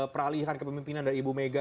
peralihan kepemimpinan dari ibu mega